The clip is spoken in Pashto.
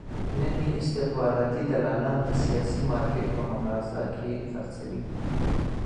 نن یې استخباراتي دلالان د سیاسي مارکېټ په مغازه کې خرڅوي.